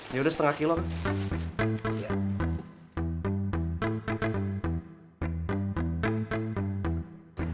yaudah setengah kilo kang